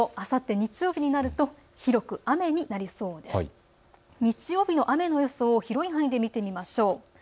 日曜日の雨の予想を広い範囲で見てみましょう。